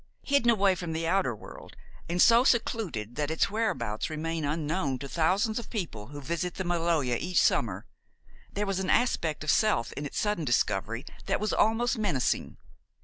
Hidden away from the outer world, and so secluded that its whereabouts remain unknown to thousands of people who visit the Maloja each summer, there was an aspect of stealth in its sudden discovery that was almost menacing.